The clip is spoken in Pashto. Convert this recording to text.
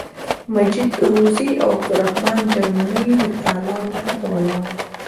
مجید روزي او عبدالرحمن جرمن د تالار مخې ته ولاړ وو.